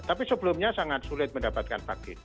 tapi sebelumnya sangat sulit mendapatkan vaksin